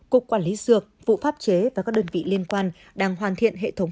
cục quản lý dược vụ pháp chế và các đơn vị liên quan đang hoàn thiện hệ thống